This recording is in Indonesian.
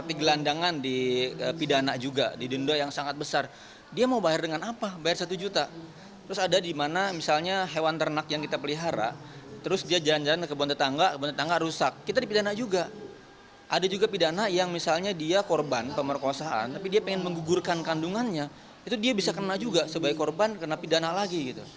ini bisa kena juga sebagai korban kena pidana lagi